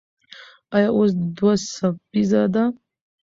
ایا اوس دوه څپیزه ده؟